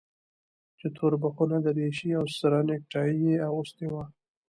چې توربخونه دريشي او سره نيكټايي يې اغوستې وه.